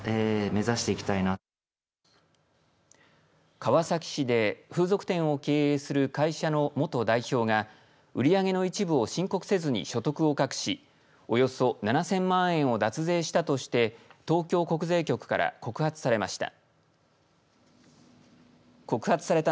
川崎市で風俗店を経営する会社の元代表が売り上げの一部を申告せずに所得を隠しおよそ７０００万円を脱税したとして東京国税局から告発されました。